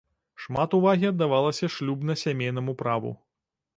Шмат увагі аддавалася шлюбна-сямейнаму праву.